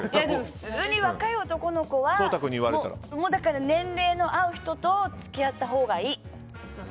普通に若い男の子は年齢の合う人と付き合ったほうがいい。